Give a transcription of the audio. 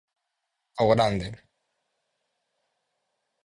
Ao grande.